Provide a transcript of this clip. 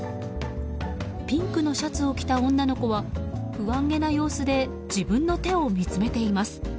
ピンクのシャツを着た女の子は不安げな様子で自分の手を見つめています。